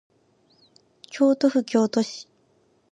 京都府京都市